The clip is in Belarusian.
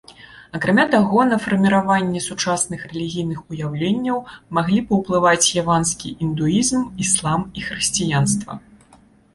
Акрамя таго, на фарміраванне сучасных рэлігійных уяўленняў маглі паўплываць яванскі індуізм, іслам і хрысціянства.